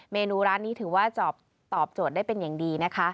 เมนูร้านนี้ถือว่าตอบโจทย์ได้เป็นอย่างดีนะคะ